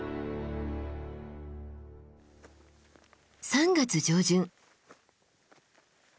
３月上旬。